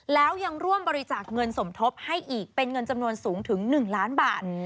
แล้วยังร่วมบริจาคเงินสมทบให้อีกเป็นเงินจำนวนสูงถึง๑ล้านบาท